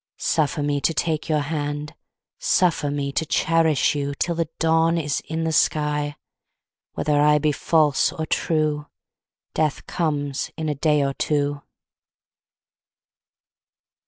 Suffer me to take your hand. Suffer me to cherish you Till the dawn is in the sky. Whether I be false or true, Death comes in a day or two.